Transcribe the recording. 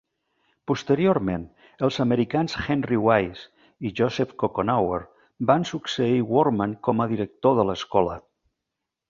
Posteriorment, els americans Henry Wise i Joseph Coconower van succeir Workman com a director de l'escola.